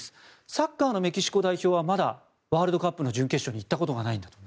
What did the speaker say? サッカーのメキシコ代表はまだワールドカップの準決勝に行ったことがないんだと。